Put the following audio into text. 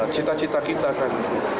cita cita kita kan